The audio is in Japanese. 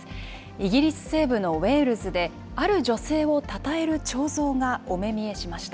イギリス西部のウェールズで、ある女性をたたえる彫像がお目見えしました。